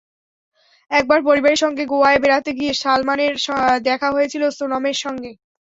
একবার পরিবারের সঙ্গে গোয়ায় বেড়াতে গিয়ে সালমানের দেখা হয়েছিল সোনমের সঙ্গে।